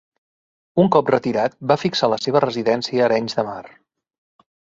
Un cop retirat, va fixar la seva residència a Arenys de Mar.